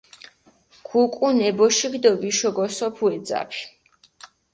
გუკუნ ე ბოშიქ დო ვიშო გოსოფუ ე ძაფი.